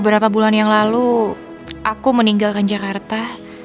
beberapa bulan yang lalu aku meninggalkan jakarta